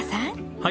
はい。